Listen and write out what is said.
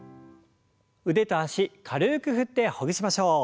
腕と脚軽く振ってほぐしましょう。